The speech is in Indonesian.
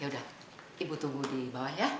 ya udah ibu tunggu di bawah ya